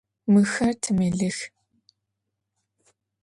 Мыхэр тимэлих.